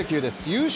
優勝